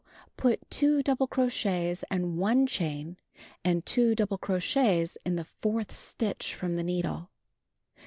Put 2 double crochets and 1 chain and 2 double crochets in the fourth stitch from the needle.